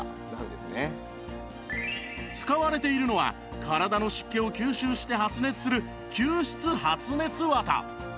使われているのは体の湿気を吸収して発熱する吸湿発熱綿